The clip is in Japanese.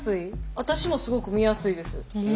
私もすごく見やすいです。